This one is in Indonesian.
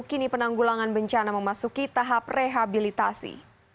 kini penanggulangan bencana memasuki tahap rehabilitasi